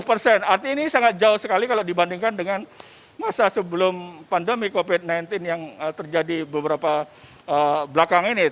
artinya ini sangat jauh sekali kalau dibandingkan dengan masa sebelum pandemi covid sembilan belas yang terjadi beberapa belakang ini